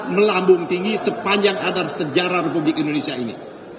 melambung tinggi sepanjang adar sejarah republik indonesia ini